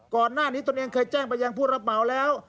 ก่อนหน้านี้ตนเองเคยแจ้งไปยังพูดระเป๋าแล้ว